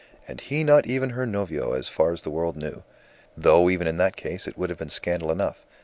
And he not even her novio as far as the world knew! Though, even in that case, it would have been scandal enough.